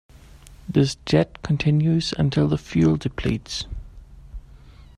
This jet continues until the fuel depletes.